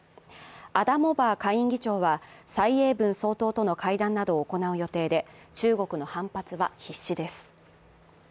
アダモバー下院議長は蔡英文総統との会談などを行う予定で、中国の反発は必至です。